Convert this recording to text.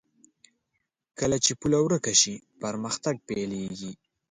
کله چې پوله ورکه شي، پرمختګ پيلېږي.